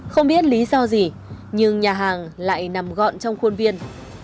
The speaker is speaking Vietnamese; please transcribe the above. không biết lý do gì nhưng nhà hàng lại nằm gọn trong khuôn viên